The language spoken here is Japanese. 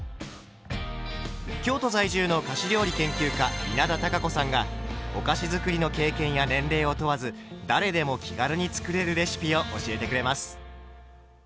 京都在住の菓子料理研究家稲田多佳子さんがお菓子づくりの経験や年齢を問わず誰でも気軽に作れるレシピを教えてくれます。